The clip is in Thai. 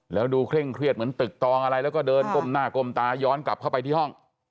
แล้วดูเคร่งเครียดเหมือนตึกตองอะไรแล้วก็เดินก้มหน้าก้มตาย้อนกลับเข้าไปที่ห้อง